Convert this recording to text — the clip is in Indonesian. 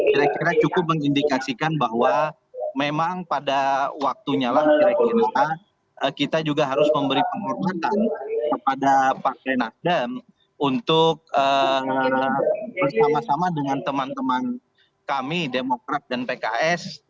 kira kira cukup mengindikasikan bahwa memang pada waktunya lah kira kira kita juga harus memberi penghormatan kepada partai nasdem untuk bersama sama dengan teman teman kami demokrat dan pks